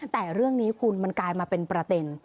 แต่เรื่องนี้คุณมันกลายมาเป็นประเด็น